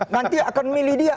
nanti akan milih dia